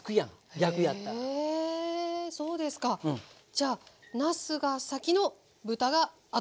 じゃあなすが先の豚が後！